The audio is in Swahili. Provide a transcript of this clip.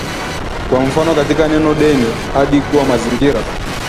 Kwa mfano katika neno deni hadi kuwa mazingira